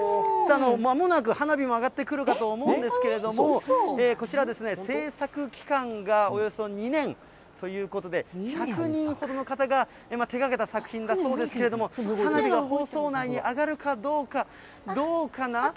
まもなく花火も上がってくるかと思うんですけれども、こちら、制作期間がおよそ２年ということで、１００人ほどの方が手がけた作品だそうですけれども、花火が放送内に上がるかどうか、どうかな？